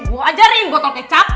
gue ajarin botol kecap